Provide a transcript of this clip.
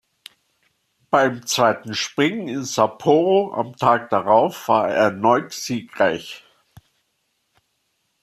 Beim zweiten Springen in Sapporo am Tag darauf war er erneut siegreich.